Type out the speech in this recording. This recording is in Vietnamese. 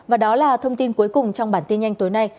và đó là thông tin cuối cùng trong bản tin nhanh tối nay